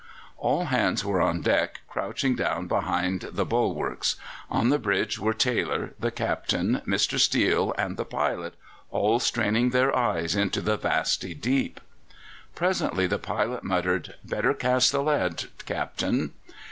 All hands were on deck, crouching down behind the bulwarks. On the bridge were Taylor, the captain, Mr. Steele, and the pilot, all straining their eyes into the "vasty deep." Presently the pilot muttered: "Better cast the lead, captain."